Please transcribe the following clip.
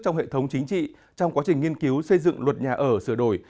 trong hệ thống chính trị trong quá trình nghiên cứu xây dựng luật nhà ở sửa đổi